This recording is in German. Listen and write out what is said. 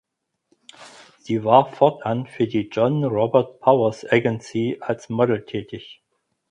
Sie war fortan für die John Robert Powers Agency als Model tätig.